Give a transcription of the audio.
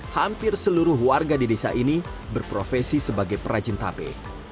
hampir seluruh warga di desa ini berprofesi sebagai perajin tape